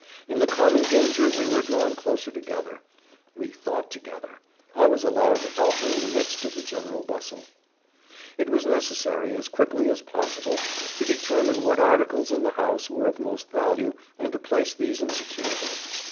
In the common danger we were drawn closer together we thought together; I was allowed to help her in the midst of the general bustle. It was necessary, as quickly as possible, to determine what articles in the house were of most value, and to place these in security.